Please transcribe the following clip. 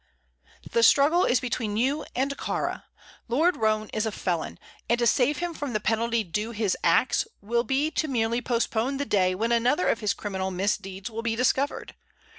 "The struggle is between you and Kāra. Lord Roane is a felon, and to save him from the penalty due his acts will be to merely postpone the day when another of his criminal misdeeds will be discovered.